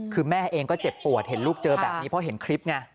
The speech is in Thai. คือแม่เองก็เจ็บปวดเห็นลูกเจอแบบนี้เพราะเห็นคลิปไง